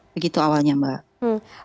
begitu awalnya mbak